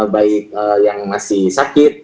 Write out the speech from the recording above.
baik yang masih sakit